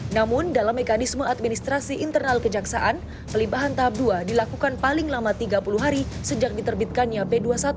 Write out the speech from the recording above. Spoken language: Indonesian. namun dalam mekanisme administrasi internal kejaksaan pelimpahan tahap dua dilakukan paling lama tiga puluh hari sejak diterbitkannya p dua puluh satu